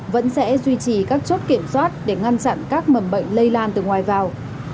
vẫn sẽ duy trì các chốt kiểm soát để ngăn chặn các mầm bệnh lây lan từ ngoài vào